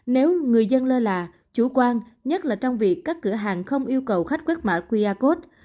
nếu người dân lơ là chủ quan nhất là trong việc các cửa hàng không yêu cầu khách quét mã qr code